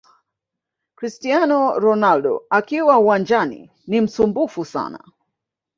Cristiano Ronaldo akiwa uwanjani ni msumbufu sana